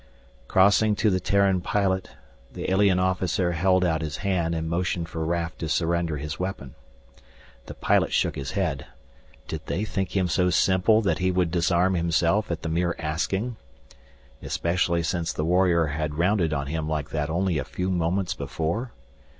Crossing to the Terran pilot, the alien officer held out his hand and motioned for Raf to surrender his weapon. The pilot shook his head. Did they think him so simple that he would disarm himself at the mere asking? Especially since the warrior had rounded on him like that only a few moments before?